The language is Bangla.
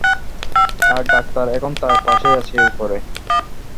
আর ডাক্তার এখন তার পাশেই আছে, উপরে।